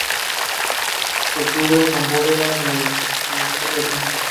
Se cubre con bóveda de crucería simple.